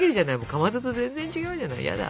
かまどと全然違うじゃないヤダ。